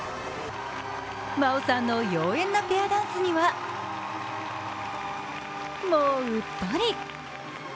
真央さんの妖艶なペアダンスにはもううっとり。